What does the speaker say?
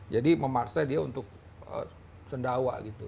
jadi memaksa dia untuk sendawa gitu